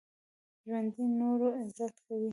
ژوندي د نورو عزت کوي